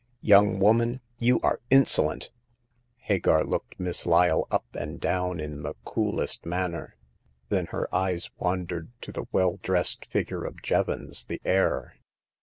Young woman, you are insolent ! Hagar looked Miss Lyle up and down in the coolest manner; then her eyes wandered to the The Second Customer. 75 well dressed figure of Jevons, the heir.